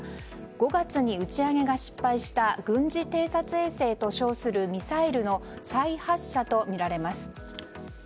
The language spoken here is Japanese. ５月に打ち上げが失敗した軍事偵察衛星と称するミサイルの再発射とみられます。